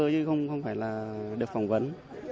chứ không phải là được phỏng vấn